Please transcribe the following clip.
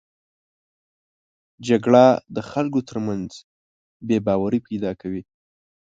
جګړه د خلکو تر منځ بې باوري پیدا کوي